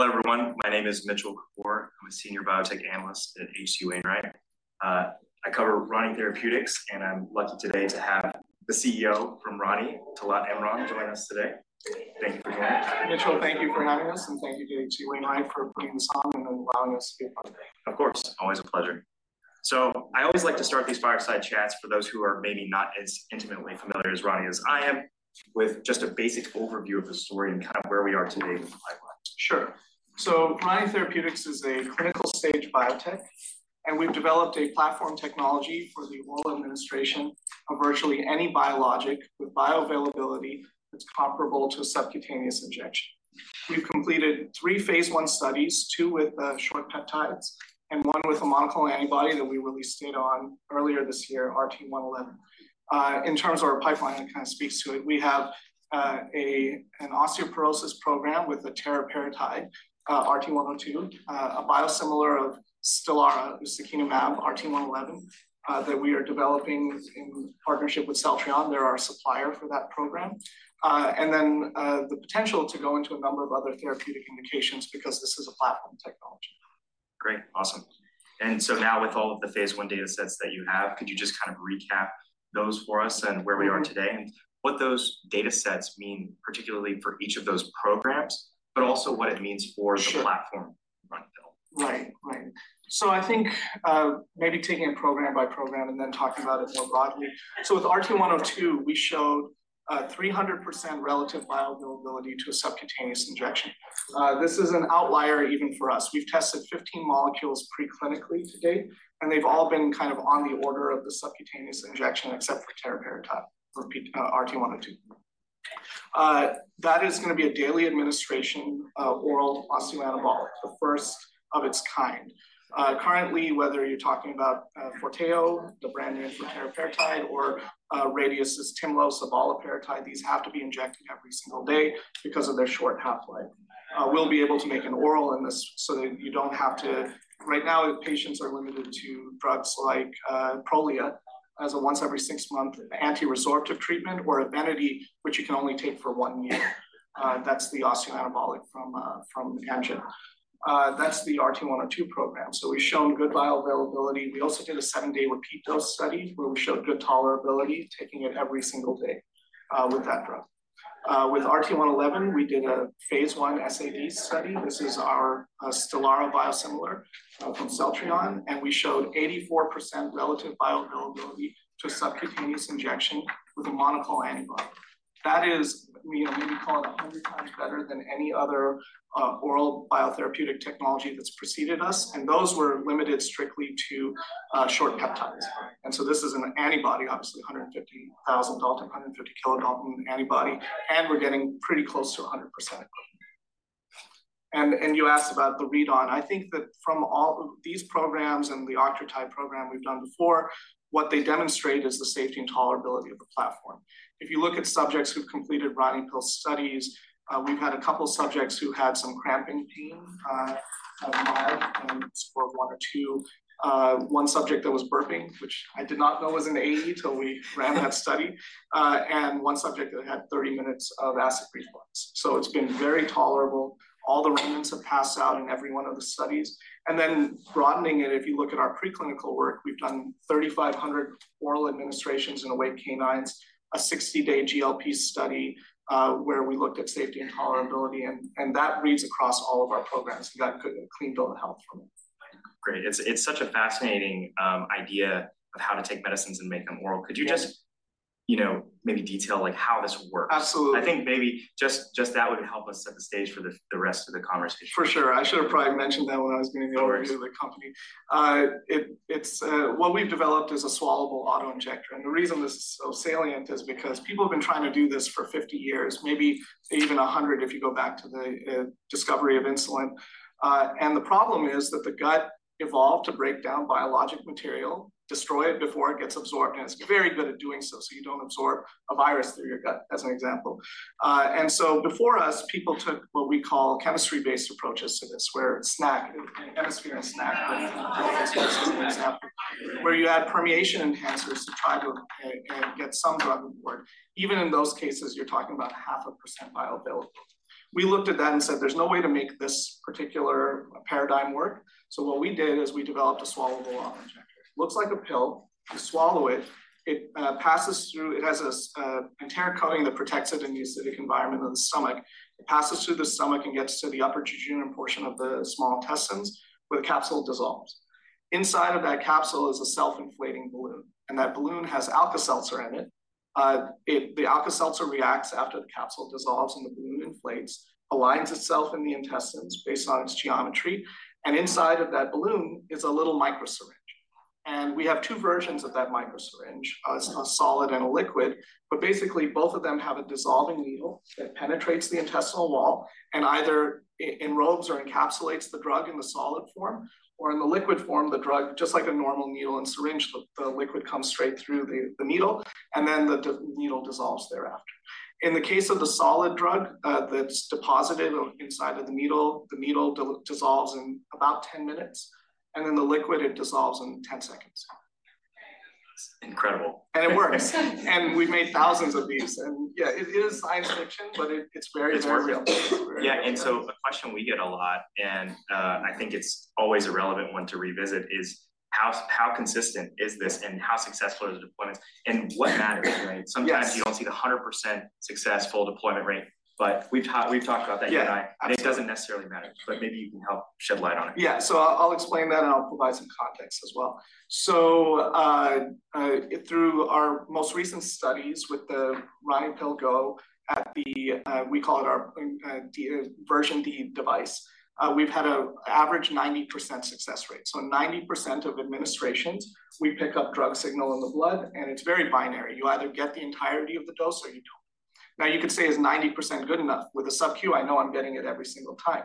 Hello, everyone. My name is Mitchell Kapoor. I'm a senior biotech analyst at H.C. Wainwright. I cover Rani Therapeutics, and I'm lucky today to have the CEO from Rani, Talat Imran, join us today. Thank you for joining. Mitchell, thank you for having us, and thank you to H.C. Wainwright for putting this on and allowing us to be a part of it. Of course, always a pleasure. So I always like to start these fireside chats for those who are maybe not as intimately familiar with Rani as I am, with just a basic overview of the story and kind of where we are today with the pipeline. Sure. So Rani Therapeutics is a clinical-stage biotech, and we've developed a platform technology for the oral administration of virtually any biologic with bioavailability that's comparable to a subcutaneous injection. We've completed three Phase 1 studies, two with short peptides and one with a monoclonal antibody that we released data on earlier this year, RT-111. In terms of our pipeline, it kind of speaks to it. We have an osteoporosis program with the teriparatide, RT-102, a biosimilar of Stelara, ustekinumab, RT-111, that we are developing in partnership with Celltrion. They're our supplier for that program. Then, the potential to GO into a number of other therapeutic indications because this is a platform technology. Great. Awesome. So now with all of the Phase 1 data sets that you have, could you just kind of recap those for us and where we are today, and what those data sets mean, particularly for each of those programs, but also what it means for- Sure - the platform, RaniPill? Right. Right. So I think, maybe taking it program by program and then talking about it more broadly. So with RT-102, we showed 300% relative bioavailability to a subcutaneous injection. This is an outlier even for us. We've tested 15 molecules preclinically to date, and they've all been kind of on the order of the subcutaneous injection, except for teriparatide, repeat, RT-102. That is gonna be a daily administration, oral osteoanabolic, the first of its kind. Currently, whether you're talking about Forteo, the brand name for teriparatide, or Radius's Tymlos, abaloparatide, these have to be injected every single day because of their short half-life. We'll be able to make an oral in this, so that you don't have to... Right now, patients are limited to drugs like Prolia, as a once every six-month anti-resorptive treatment, or Evenity, which you can only take for one year. That's the osteoanabolic from Amgen. That's the RT-102 program. So we've shown good bioavailability. We also did a seven-day repeat dose study, where we showed good tolerability, taking it every single day with that drug. With RT-111, we did a Phase 1 SAD study. This is our Stelara biosimilar from Celltrion, and we showed 84% relative bioavailability to a subcutaneous injection with a monoclonal antibody. That is, we call it 100 times better than any other oral biotherapeutic technology that's preceded us, and those were limited strictly to short peptides. This is an antibody, obviously, 150,000 daltons, 150 kilodalton antibody, and we're getting pretty close to 100% equivalent. And you asked about the readout. I think that from all of these programs and the octreotide program we've done before, what they demonstrate is the safety and tolerability of the platform. If you look at subjects who've completed RaniPill studies, we've had a couple subjects who had some cramping pain, mild, and scored 1 or 2. One subject that was burping, which I did not know was an AE till we ran that study, and one subject that had 30 minutes of acid reflux. So it's been very tolerable. All the regimens have passed out in every one of the studies. And then broadening it, if you look at our preclinical work, we've done 3,500 oral administrations in awake canines, a 60-day GLP study, where we looked at safety and tolerability, and, and that reads across all of our programs, and that could clean bill of health from it. Great. It's such a fascinating idea of how to take medicines and make them oral. Yeah. Could you just, you know, maybe detail, like, how this works? Absolutely. I think maybe just that would help us set the stage for the rest of the conversation. For sure. I should have probably mentioned that when I was giving the overview of the company. It's what we've developed is a swallowable auto-injector, and the reason this is so salient is because people have been trying to do this for 50 years, maybe even 100, if you go back to the discovery of insulin. The problem is that the gut evolved to break down biologic material, destroy it before it gets absorbed, and it's very good at doing so, so you don't absorb a virus through your gut, as an example. So before us, people took what we call chemistry-based approaches to this, where SNAC, Emisphere's SNAC, as an example, where you add permeation enhancers to try to get some drug to work. Even in those cases, you're talking about 0.5% bioavailability. We looked at that and said, "There's no way to make this particular paradigm work." So what we did is we developed a swallowable auto-injector. Looks like a pill, you swallow it, it passes through. It has this entire coating that protects it in the acidic environment of the stomach. It passes through the stomach and gets to the upper jejunum portion of the small intestines, where the capsule dissolves. Inside of that capsule is a self-inflating balloon, and that balloon has Alka-Seltzer in it. The Alka-Seltzer reacts after the capsule dissolves, and the balloon inflates, aligns itself in the intestines based on its geometry, and inside of that balloon is a little microsyringe. We have two versions of that microsyringe, a solid and a liquid, but basically both of them have a dissolving needle that penetrates the intestinal wall and either enrobes or encapsulates the drug in the solid form, or in the liquid form, the drug, just like a normal needle and syringe, the liquid comes straight through the needle, and then the needle dissolves thereafter. In the case of the solid drug, that's deposited inside of the needle, the needle dissolves in about 10 minutes, and then the liquid, it dissolves in 10 seconds. ... It's incredible. It works. We've made thousands of these. Yeah, it is science fiction, but it, it's very, very real. It's very real. Yeah, and so a question we get a lot, and, I think it's always a relevant one to revisit, is how, how consistent is this and how successful are the deployments, and what matters, right? Yes. Sometimes you don't see the 100% successful deployment rate, but we've talked about that- Yeah. It doesn't necessarily matter, but maybe you can help shed light on it. Yeah. So I'll explain that, and I'll provide some context as well. So, through our most recent studies with the RaniPill GO at the, we call it our, d- version D device, we've had an average 90% success rate. So 90% of administrations, we pick up drug signal in the blood, and it's very binary. You either get the entirety of the dose or you don't. Now, you could say, is 90% good enough? With a SubQ, I know I'm getting it every single time,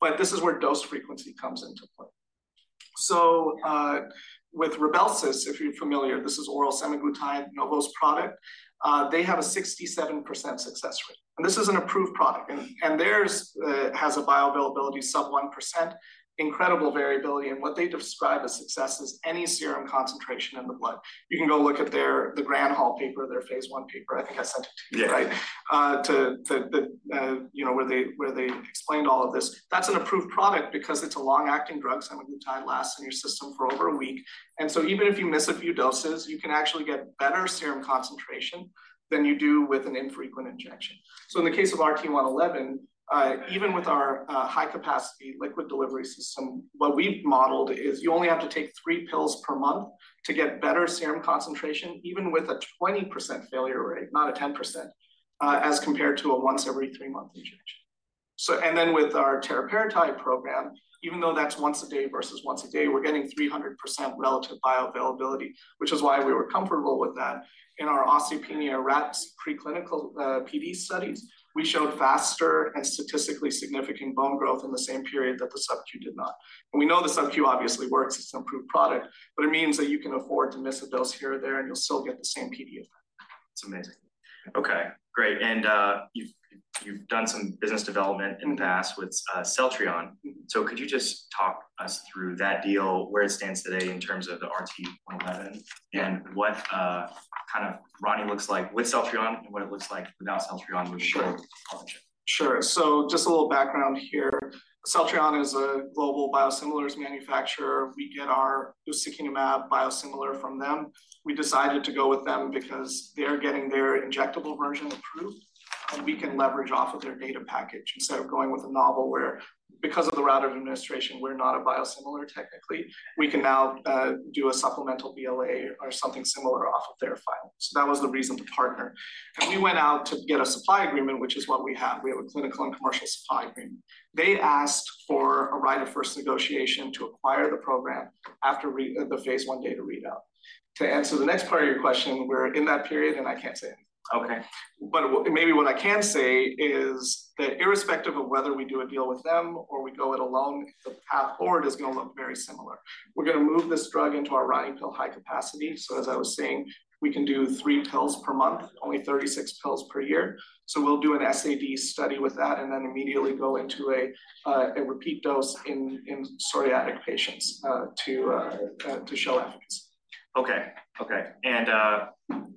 but this is where dose frequency comes into play. So, with Rybelsus, if you're familiar, this is oral semaglutide, Novo's product. They have a 67% success rate, and this is an approved product, and theirs has a bioavailability sub 1%. Incredible variability, and what they describe as success is any serum concentration in the blood. You can go look at their- the Granhall paper, their Phase 1 paper. I think I sent it to you. Yeah. Right? To the, you know, where they explained all of this. That's an approved product because it's a long-acting drug, semaglutide lasts in your system for over a week. And so even if you miss a few doses, you can actually get better serum concentration than you do with an infrequent injection. So in the case of RT-111, even with our high capacity liquid delivery system, what we've modeled is you only have to take 3 pills per month to get better serum concentration, even with a 20% failure rate, not a 10%, as compared to a once every 3-month injection. So and then with our teriparatide program, even though that's once a day versus once a day, we're getting 300% relative bioavailability, which is why we were comfortable with that. In our osteopenia rats preclinical PD studies, we showed faster and statistically significant bone growth in the same period that the SubQ did not. And we know the SubQ obviously works. It's an approved product, but it means that you can afford to miss a dose here or there, and you'll still get the same PD effect. It's amazing. Okay, great. And, you've, you've done some business development in the past with Celltrion. So could you just talk us through that deal, where it stands today in terms of the RT-111, and what kind of Rani looks like with Celltrion and what it looks like without Celltrion in the future? Sure. So just a little background here. Celltrion is a global biosimilars manufacturer. We get our ustekinumab biosimilar from them. We decided to go with them because they are getting their injectable version approved, and we can leverage off of their data package instead of going with a novel, where because of the route of administration, we're not a biosimilar, technically. We can now do a supplemental BLA or something similar off of their file. So that was the reason to partner. And we went out to get a supply agreement, which is what we have. We have a clinical and commercial supply agreement. They asked for a right of first negotiation to acquire the program after the Phase 1 data readout. To answer the next part of your question, we're in that period, and I can't say anything. Okay. But maybe what I can say is that irrespective of whether we do a deal with them or we go it alone, the path forward is gonna look very similar. We're gonna move this drug into our RaniPill High Capacity. So as I was saying, we can do 3 pills per month, only 36 pills per year. So we'll do an SAD study with that and then immediately go into a, a repeat dose in, in psoriatic patients, to, to show efficacy. Okay. Okay.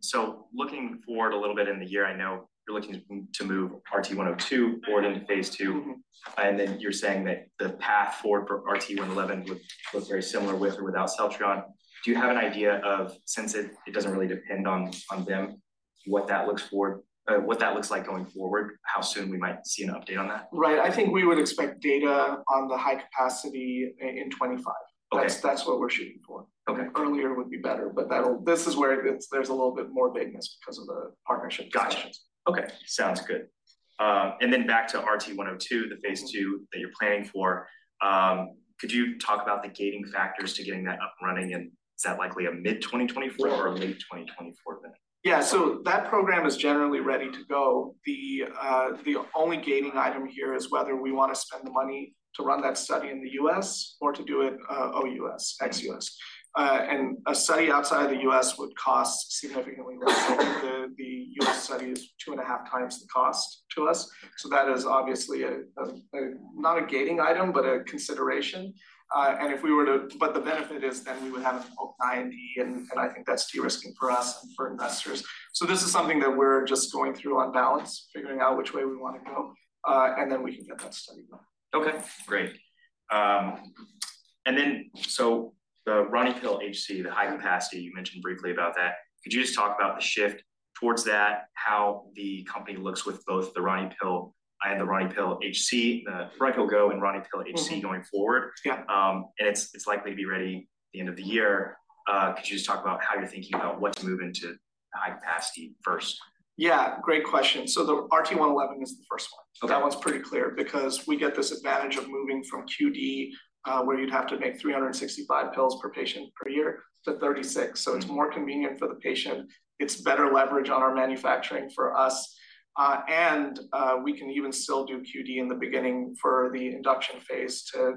So looking forward a little bit in the year, I know you're looking to move RT-102 forward into Phase 2. Mm-hmm. And then you're saying that the path forward for RT-111 would look very similar with or without Celltrion. Do you have an idea of, since it, it doesn't really depend on, on them, what that looks like going forward, how soon we might see an update on that? Right. I think we would expect data on the high capacity in 2025. Okay. That's what we're shooting for. Okay. Earlier would be better, but that'll, this is where it gets, there's a little bit more vagueness because of the partnership. Gotcha. Okay, sounds good. Then back to RT-102, the Phase 2- Mm-hmm. -that you're planning for, could you talk about the gating factors to getting that up and running, and is that likely a mid-2024 or a late 2024 then? Yeah. So that program is generally ready to go. The only gating item here is whether we wanna spend the money to run that study in the US or to do it OUS, ex-US. And a study outside of the US would cost significantly more. So the US study is 2.5 times the cost to us, so that is obviously not a gating item, but a consideration. And if we were to. But the benefit is then we would have a full IND, and I think that's de-risking for us and for investors. So this is something that we're just going through on balance, figuring out which way we wanna go, and then we can get that study done. Okay, great. And then, so the RaniPill HC, the high capacity, you mentioned briefly about that. Could you just talk about the shift towards that, how the company looks with both the RaniPill and the RaniPill HC, RaniPill GO and RaniPill HC- Mm-hmm. -going forward? Yeah. And it's likely to be ready at the end of the year. Could you just talk about how you're thinking about what to move into the high capacity first? Yeah, great question. So the RT-111 is the first one. Okay. That one's pretty clear because we get this advantage of moving from QD, where you'd have to make 365 pills per patient per year, to 36. Mm-hmm. So it's more convenient for the patient, it's better leverage on our manufacturing for us, and we can even still do QD in the beginning for the induction phase to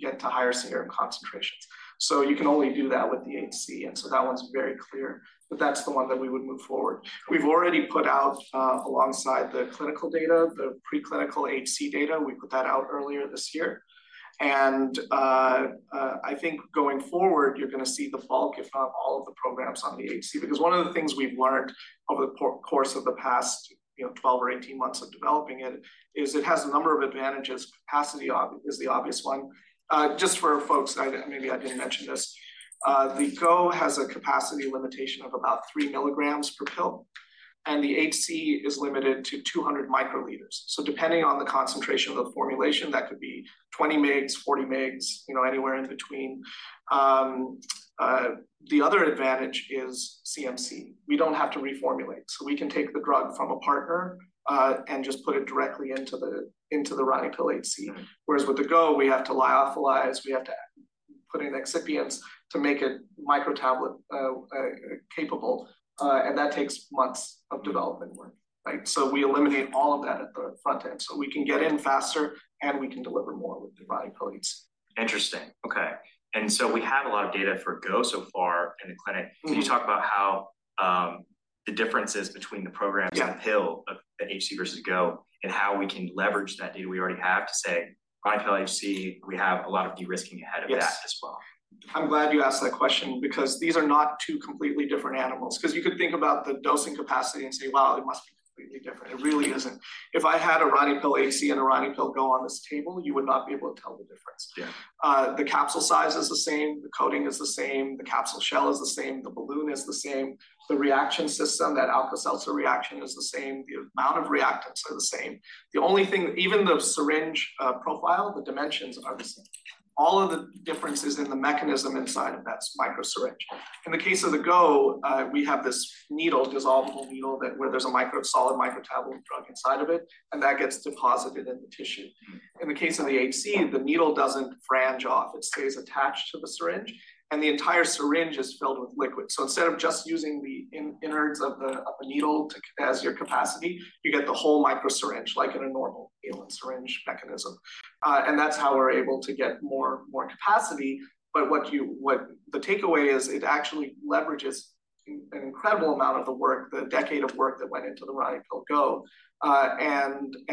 get to higher serum concentrations. So you can only do that with the HC, and so that one's very clear, but that's the one that we would move forward. We've already put out, alongside the clinical data, the preclinical HC data. We put that out earlier this year. And I think going forward, you're going to see the bulk, if not all, of the programs on the HC. Because one of the things we've learned over the course of the past, you know, 12 or 18 months of developing it, is it has a number of advantages. Capacity is the obvious one. Just for folks, I maybe didn't mention this, the GO has a capacity limitation of about 3 milligrams per pill, and the HC is limited to 200 microliters. So depending on the concentration of the formulation, that could be 20 mg, 40 mg, you know, anywhere in between. The other advantage is CMC. We don't have to reformulate, so we can take the drug from a partner and just put it directly into the RaniPill HC. Whereas with the GO, we have to lyophilize, we have to put in excipients to make it microtablet capable, and that takes months of development work, right? So we eliminate all of that at the front end, so we can get in faster and we can deliver more with the RaniPill. Interesting. Okay. And so we have a lot of data for go so far in the clinic. Mm. Can you talk about how the differences between the programs- Yeah... and the pill, the HC versus GO, and how we can leverage that data we already have to say, RaniPill HC, we have a lot of de-risking ahead of that as well. Yes. I'm glad you asked that question, because these are not two completely different animals. Because you could think about the dosing capacity and say, "Well, it must be completely different." It really isn't. If I had a RaniPill HC and a RaniPill GO on this table, you would not be able to tell the difference. Yeah. The capsule size is the same, the coating is the same, the capsule shell is the same, the balloon is the same, the reaction system, that Alka-Seltzer reaction is the same, the amount of reactants are the same. The only thing, even the syringe profile, the dimensions are the same. All of the differences in the mechanism inside of that's microsyringe. In the case of the GO, we have this needle, dissolvable needle, that where there's a micro solid microtablet drug inside of it, and that gets deposited in the tissue. In the case of the HC, the needle doesn't break off. It stays attached to the syringe, and the entire syringe is filled with liquid. So instead of just using the innards of the needle as your capacity, you get the whole microsyringe, like in a normal saline syringe mechanism. And that's how we're able to get more, more capacity. But what the takeaway is, it actually leverages an incredible amount of the work, the decade of work that went into the RaniPill GO.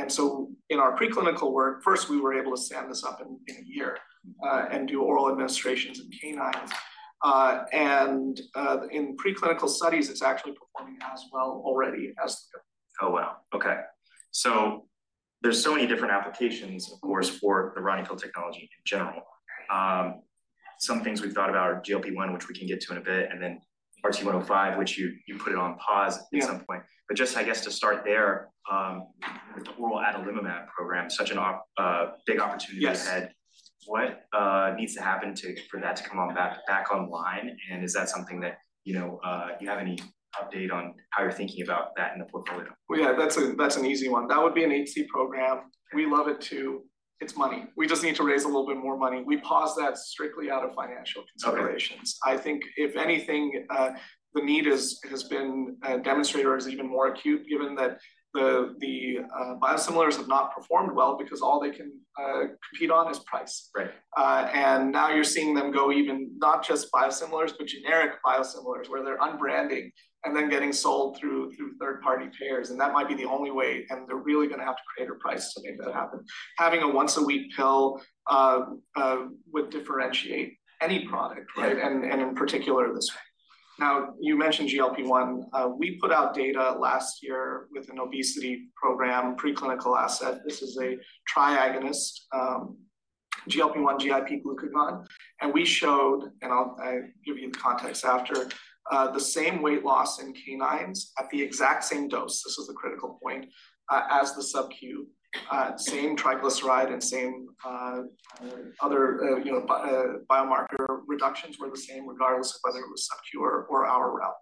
So in our preclinical work, first, we were able to stand this up in a year, and do oral administrations in canines. In preclinical studies, it's actually performing as well already as the GO. Oh, wow! Okay. So there's so many different applications, of course, for the RaniPill technology in general. Some things we've thought about are GLP-1, which we can get to in a bit, and then RT-105, which you put it on pause- Yeah... at some point. But just, I guess, to start there, with the oral adalimumab program, such a big opportunity ahead- Yes. What needs to happen for that to come back online? And is that something that, you know, do you have any update on how you're thinking about that in the portfolio? Well, yeah, that's, that's an easy one. That would be an HC program. We love it, too. It's money. We just need to raise a little bit more money. We paused that strictly out of financial considerations. Okay. I think if anything, the need has been demonstrated or is even more acute, given that the biosimilars have not performed well, because all they can compete on is price. Right. and now you're seeing them go even, not just biosimilars, but generic biosimilars, where they're unbranding and then getting sold through third-party payers, and that might be the only way, and they're really going to have to create a price to make that happen. Having a once-a-week pill would differentiate any product- Right... and in particular, this one. Now, you mentioned GLP-1. We put out data last year with an obesity program, preclinical asset. This is a triagonist, GLP-1, GIP, glucagon. And we showed, and I'll give you the context after, the same weight loss in canines at the exact same dose, this is a critical point, as the SubQ. Same triglyceride and same other, you know, biomarker reductions were the same, regardless of whether it was SubQ or our route.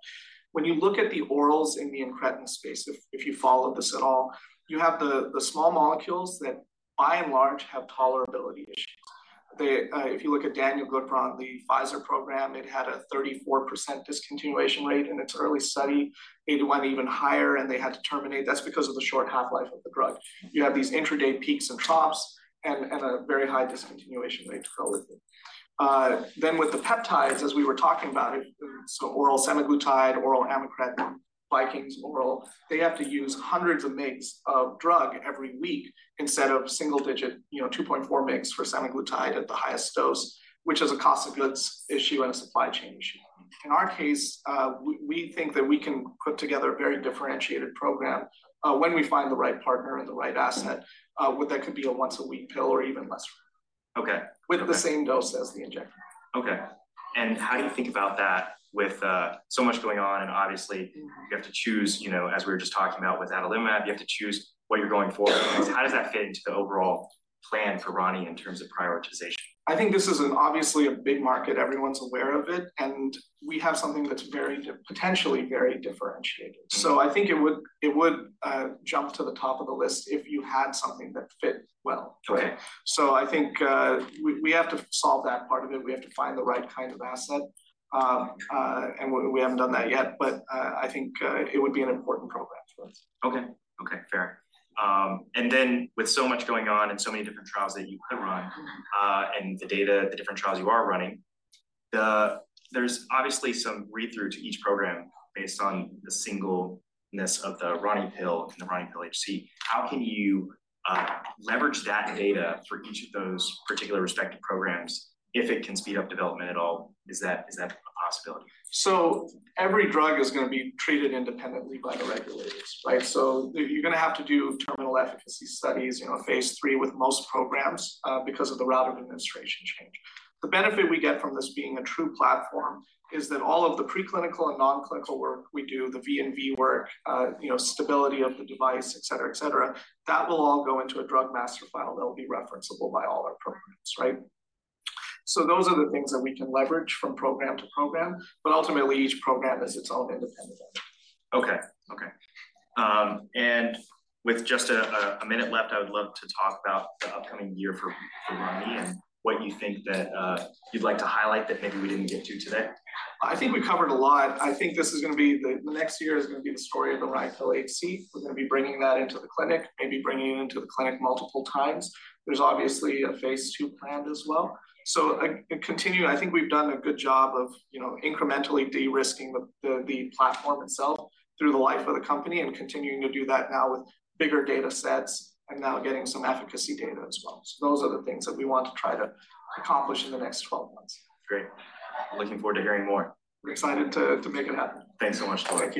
When you look at the orals in the incretin space, if you followed this at all, you have the small molecules that by and large have tolerability issues. They, if you look at danuglipron, the Pfizer program, it had a 34% discontinuation rate in its early study. It went even higher, and they had to terminate. That's because of the short half-life of the drug. You have these intraday peaks and troughs and a very high discontinuation rate to go with it. Then with the peptides, as we were talking about it, so oral semaglutide, oral amycretin, Viking's oral, they have to use hundreds of mg of drug every week instead of single digit, you know, 2.4 mg for semaglutide at the highest dose, which is a cost of goods issue and a supply chain issue. In our case, we think that we can put together a very differentiated program, when we find the right partner and the right asset, whether that could be a once a week pill or even less. Okay. With the same dose as the injector. Okay. How do you think about that with so much going on, and obviously, you have to choose, you know, as we were just talking about with adalimumab, you have to choose what you're going for. How does that fit into the overall plan for Rani in terms of prioritization? I think this is an obviously a big market, everyone's aware of it, and we have something that's very potentially very differentiated. So I think it would jump to the top of the list if you had something that fit well to it. Okay. I think we have to solve that part of it. We have to find the right kind of asset. We haven't done that yet, but I think it would be an important program for us. Okay. Okay, fair. And then with so much going on and so many different trials that you could run, and the data, the different trials you are running, there's obviously some read-through to each program based on the singleness of the RaniPill and the RaniPill HC. How can you leverage that data for each of those particular respective programs? If it can speed up development at all, is that a possibility? So every drug is going to be treated independently by the regulators, right? So you're going to have to do terminal efficacy studies, you know, Phase 3 with most programs, because of the route of administration change. The benefit we get from this being a true platform is that all of the preclinical and non-clinical work we do, the V&V work, you know, stability of the device, et cetera, et cetera, that will all go into a Drug Master File that will be referenceable by all our programs, right? So those are the things that we can leverage from program to program, but ultimately, each program is its own independent entity. Okay. Okay. And with just a minute left, I would love to talk about the upcoming year for Rani and what you think that you'd like to highlight that maybe we didn't get to today. I think we covered a lot. I think this is going to be... The next year is going to be the story of the RaniPill HC. We're going to be bringing that into the clinic, maybe bringing it into the clinic multiple times. There's obviously a Phase 2 planned as well. So, continue, I think we've done a good job of, you know, incrementally de-risking the platform itself through the life of the company and continuing to do that now with bigger data sets and now getting some efficacy data as well. So those are the things that we want to try to accomplish in the next 12 months. Great. I'm looking forward to hearing more. We're excited to make it happen. Thanks so much, Talat.